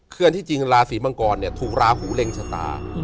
คือที่จริงราศีมังกรเนี่ยถูกราหูเล็งชะตา